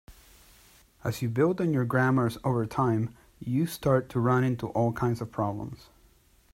As you build on your grammars over time, you start to run into all kinds of problems.